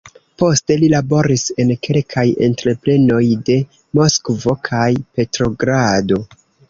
Poste li laboris en kelkaj entreprenoj de Moskvo kaj Petrogrado.